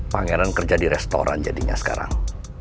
pangeran kerja di restoran jadinya sekarang